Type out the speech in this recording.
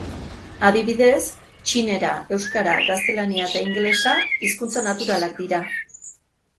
Adibidez, txinera, euskara, gaztelania eta ingelesa hizkuntza naturalak dira.